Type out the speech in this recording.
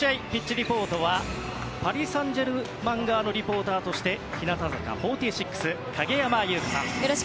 リポートはパリ・サンジェルマン側のリポーターとして日向坂４６、影山優佳さん。